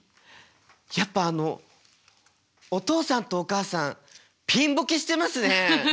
やっぱあのおとうさんとおかあさんピンボケしてますね！